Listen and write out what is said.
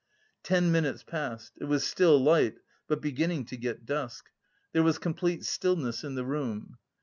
Ten minutes passed. It was still light, but beginning to get dusk. There was complete stillness in the room.